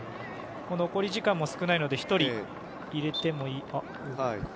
残り時間も少ないので１人入れても。